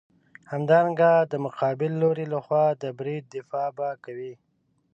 همدارنګه د مقابل لوري لخوا د برید دفاع به کوې.